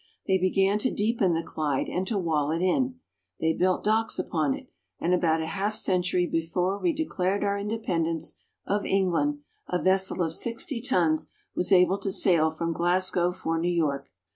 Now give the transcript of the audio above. They began to deepen the Clyde and to wall it in. They built docks upon it, and about a half century before we declared our independence of England, a vessel of sixty tons was able to sail from Glasgow for New York.